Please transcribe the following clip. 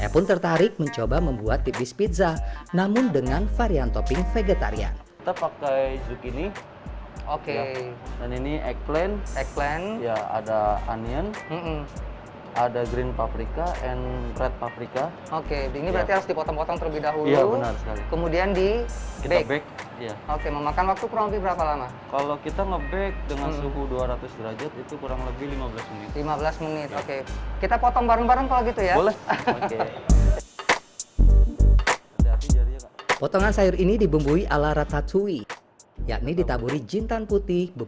pemilik restoran telah menawarkan ukuran pizza yang tersebut tidak terlalu tebal